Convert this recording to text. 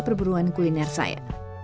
perburuan kuliner saya